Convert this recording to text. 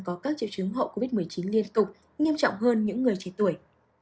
có các triệu chứng hậu covid một mươi chín liên tục nghiêm trọng hơn những người trẻ tuổi